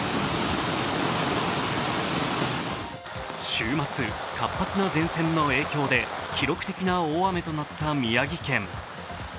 週末、活発な前線の影響で記録的な大雨となった宮城県。